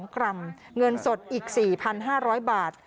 กรัมเงินสดอีก๔๕๐๐บาท